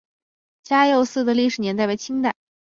嘉佑寺的历史年代为清代。